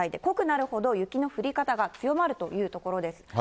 濃くなるほど雪の降り方が強まるというところです。